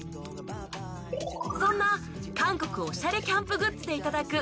そんな韓国おしゃれキャンプグッズで頂く